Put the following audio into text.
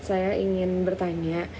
saya ingin bertanya